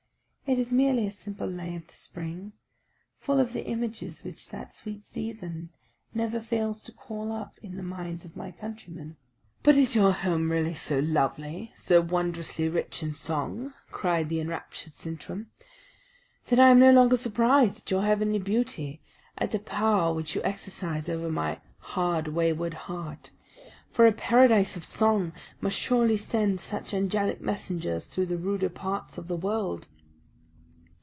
It is merely a simple lay of the spring, full of the images which that sweet season never fails to call up in the minds of my countrymen." "But is your home really so lovely, so wondrously rich in song?" cried the enraptured Sintram. "Then I am no longer surprised at your heavenly beauty, at the power which you exercise over my hard, wayward heart! For a paradise of song must surely send such angelic messengers through the ruder parts of the world."